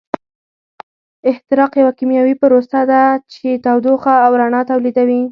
احتراق یوه کیمیاوي پروسه ده چې تودوخه او رڼا تولیدوي.